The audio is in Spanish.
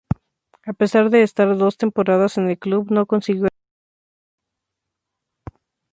A pesar de estar dos temporadas en el club, no consiguió el ascenso.